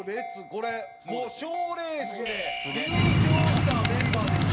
これもう賞レースで優勝したメンバーですよ！